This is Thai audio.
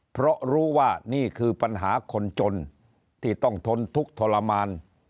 เพราะรู้ว่านี่คือปัญหาคนจนที่ต้องทนทุกข์ทรมาน